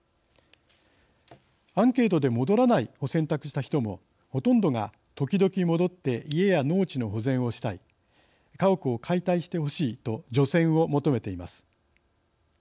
アンケートで戻らないを選択した人もほとんどが時々、戻って家や農地の保全をしたい家屋を解体してほしいと除染を求めています。